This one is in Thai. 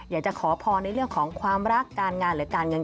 อยากจะขอพรในเรื่องของความรักการงานหรือการเงิน